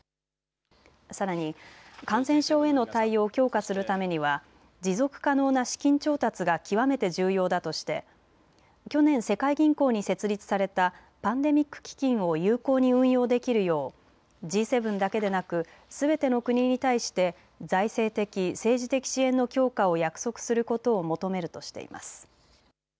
さらに感染症への対応を強化するためには持続可能な資金調達が極めて重要だとして去年、世界銀行に設立されたパンデミック基金を有効に運用できるようＧ７だけでなくすべての国に対して財政的、政治的支援の強化を約束することを求めるとしています。